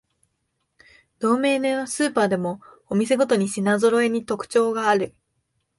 同名のスーパーでもお店ごとに品ぞろえに特徴がある